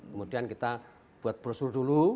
kemudian kita buat brosur dulu